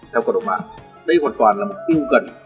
theo cộng đồng mạng đây hoàn toàn là mục tiêu gần